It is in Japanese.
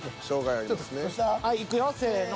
はいいくよせの。